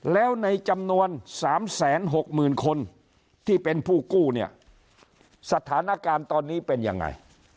แล้วในจำนวน๓๖๐๐๐คนที่เป็นผู้กู้เนี่ยสถานการณ์ตอนนี้เป็นยังไง